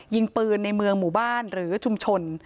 ยิงปืนในเมืองหมู่บ้านหรือชุมชน